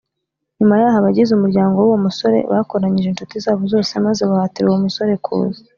Nyuma yaho abagize umuryango w uwo musore bakoranyije incuti zabo zose maze bahatira uwo musorekuza